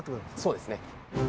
そうです。